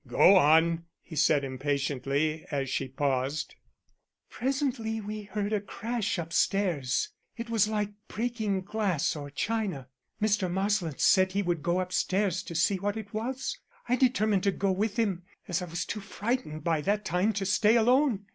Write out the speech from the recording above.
"Go on," he said impatiently, as she paused. "Presently we heard a crash upstairs it was like breaking glass or china. Mr. Marsland said he would go upstairs and see what it was. I determined to go with him, as I was too frightened by that time to stay alone.